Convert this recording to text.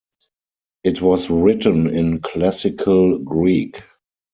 It was written in Classical Greek.